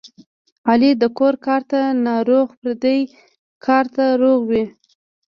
علي د کور کار ته ناروغ پردي کار ته روغ وي.